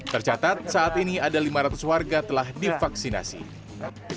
tercatat saat ini ada lima ratus warga telah divaksinasi